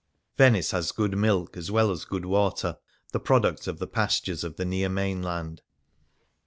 Venice has good milk as well as good water, the product of the pastures of the near main land.